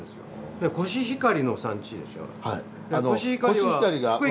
でコシヒカリの産地でしょ。